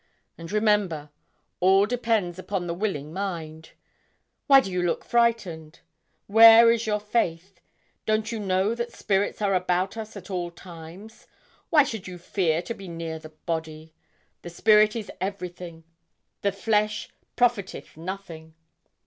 And remember, all depends upon the willing mind. Why do you look frightened? Where is your faith? Don't you know that spirits are about us at all times? Why should you fear to be near the body? The spirit is everything; the flesh profiteth nothing.'